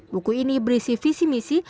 buku ini berisi visi misi